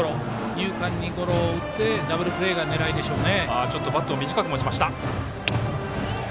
二遊間にゴロを打ってダブルプレーが狙いでしょうね。